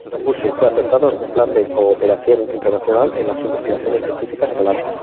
Propuso, y fue aceptado, un plan de cooperación internacional en las investigaciones científicas polares.